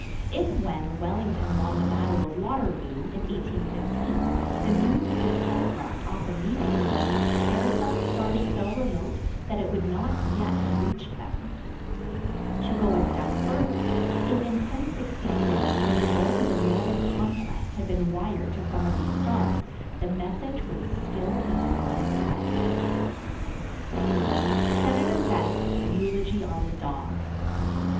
If, when Wellington won the battle of Waterloo, in 1815, the news had been telegraphed off immediately, there are some stars so remote that it would not yet have reached them. To go a step further, if in 1066 the result of the Norman Conquest had been wired to some of these stars, the message would still be on its way. SENATOR VEST'S EULOGY ON THE DOG.